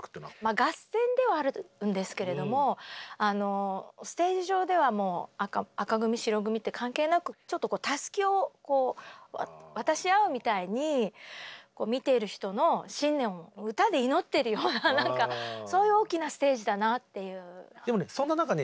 合戦ではあるんですけれどもステージ上では紅組白組って関係なくちょっとたすきを渡し合うみたいに見ている人の新年を歌で祈ってるようなそういう大きなステージだなっていう。